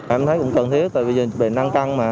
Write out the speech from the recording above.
em thấy cũng cần thiết tại vì dịch bệnh đang tăng mà